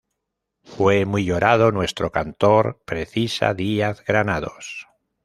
Fue muy llorado nuestro cantor"', precisa Díaz-Granados.